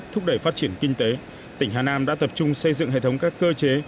thúc đẩy phát triển kinh tế tỉnh hà nam đã tập trung xây dựng hệ thống các cơ chế